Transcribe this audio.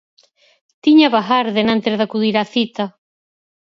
Tiña vagar denantes de acudir á cita.